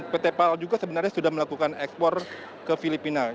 pt pal juga sebenarnya sudah melakukan ekspor ke filipina